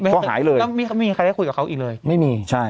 ห้องหายเลยก็ไม่มีใครได้คุยกับเขาอีกเลยไม่มีใช่